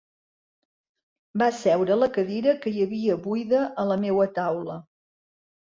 Va seure a la cadira que hi havia buida a la meua taula.